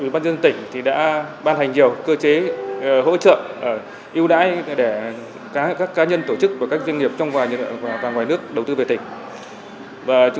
ủy ban dân tỉnh đã ban hành nhiều cơ chế hỗ trợ ưu đãi để các cá nhân tổ chức và các doanh nghiệp trong và ngoài nước đầu tư về tỉnh